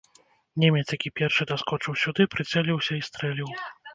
Немец, які першы даскочыў сюды, прыцэліўся і стрэліў.